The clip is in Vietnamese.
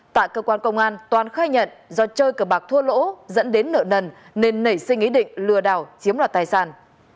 tại cơ quan công an toàn khai nhận do chơi cờ bạc thua lỗ dẫn đến nợ nần nên nảy sinh ý định lừa đảo chiếm đoạt tài sản